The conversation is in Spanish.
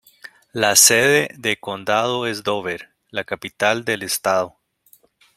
La sede de condado es Dover, la capital del estado.